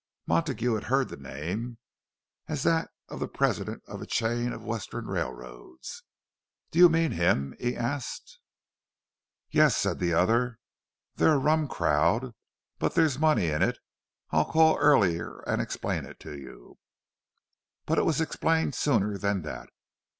Montague had heard the name, as that of the president of a chain of Western railroads. "Do you mean him?" he asked. "Yes," said the other. "They're a rum crowd, but there's money in it. I'll call early and explain it to you." But it was explained sooner than that.